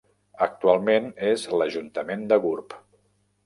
Actualment és l'Ajuntament de Gurb.